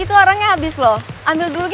itu orangnya habis loh ambil dulu gi